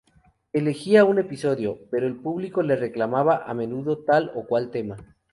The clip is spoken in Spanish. Elegía un episodio, pero el público le reclamaba a menudo tal o cual tema.